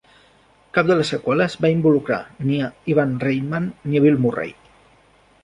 Cap de les seqüeles va involucrar ni Ivan Reitman ni Bill Murray.